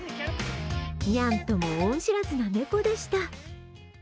ニャンとも恩知らずな猫でした。